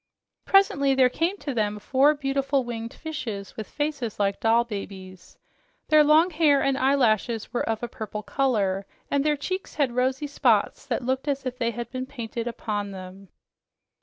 Presently there came to them four beautiful winged fishes with faces like doll babies. Their long hair and eyelashes were of a purple color, and their cheeks had rosy spots that looked as if they had been painted upon them.